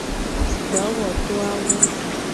Dowoto awo.